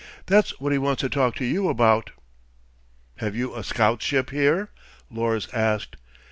That's what he wants to talk to you about." "Have you a scout ship here?" Lors asked.